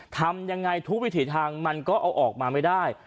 ทำยังไงทุกวิถีทางมันก็เอาออกมาไม่ได้